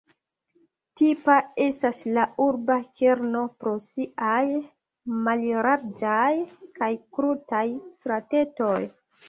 Tipa estas la urba kerno pro siaj mallarĝaj kaj krutaj stratetoj.